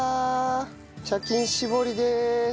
茶巾絞りです。